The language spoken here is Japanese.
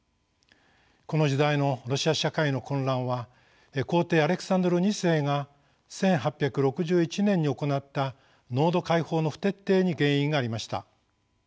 この時代のロシア社会の混乱は皇帝アレクサンドル二世が１８６１年に行った農奴解放の不徹底に原因がありました。